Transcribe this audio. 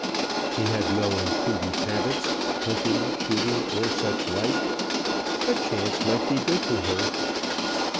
He had no imprudent habits, hunting, shooting, or suchlike; but chance might be good to her.